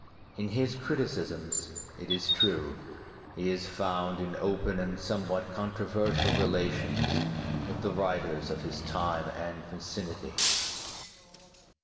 In his criticisms, it is true, he is found in open and somewhat controversial relations with the writers of his time and vicinity.